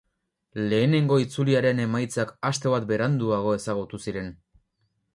Lehenengo itzuliaren emaitzak aste bat beranduago ezagutu ziren.